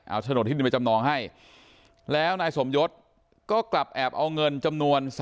เอาโฉนดที่ดินไปจำนองให้แล้วนายสมยศก็กลับแอบเอาเงินจำนวน